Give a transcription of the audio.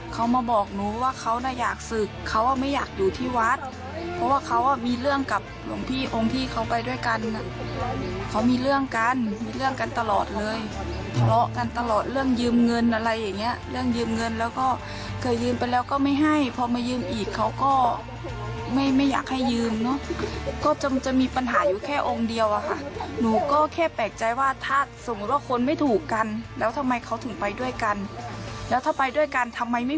เขามาบอกหนูว่าเขาน่าอยากศึกเขาไม่อยากอยู่ที่วัดเพราะว่าเขามีเรื่องกับองค์พี่เขาไปด้วยกันเขามีเรื่องกันเรื่องกันตลอดเลยเลาะกันตลอดเรื่องยืมเงินอะไรอย่างเงี้ยเรื่องยืมเงินแล้วก็เคยยืมไปแล้วก็ไม่ให้พอมายืมอีกเขาก็ไม่อยากให้ยืมเนาะก็จะมีปัญหาอยู่แค่องค์เดียวอะค่ะหนูก็แค่แปลกใจว่าถ้าสมมุติว่าคนไม่